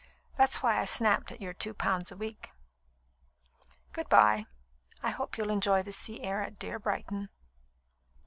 That's why I snapped at your two pounds a week. Good bye. I hope you'll enjoy the sea air at dear Brighton."